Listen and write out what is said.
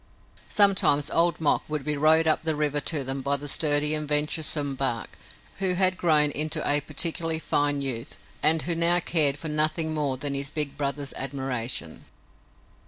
Sometimes Old Mok would be rowed up the river to them by the sturdy and venturesome Bark, who had grown into a particularly fine youth and who now cared for nothing more than his big brother's admiration.